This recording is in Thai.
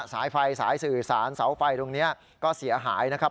สายไฟสายสื่อสารเสาไฟตรงนี้ก็เสียหายนะครับ